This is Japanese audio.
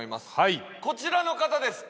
こちらの方です。